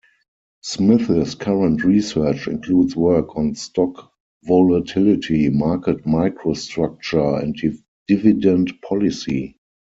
Smith's Current research includes work on stock volatility, market microstructure and dividend policy.